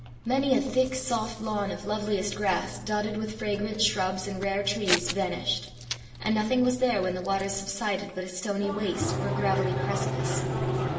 Many a thick soft lawn, of loveliest grass, dotted with fragrant shrubs and rare trees, vanished, and nothing was there when the waters subsided but a stony waste, or a gravelly precipice.